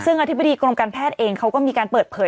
ซึ่งอธิบดีกรมการแพทย์เองเขาก็มีการเปิดเผย